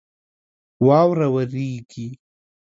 واوره وریږي